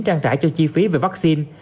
trang trải cho chi phí về vaccine